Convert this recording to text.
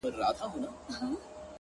• په غیرت مو لاندي کړي وه ملکونه,